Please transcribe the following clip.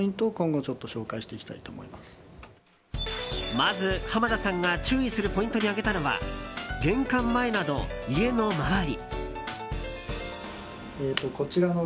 まず、濱田さんが注意するポイントに挙げたのは玄関前など、家の周り。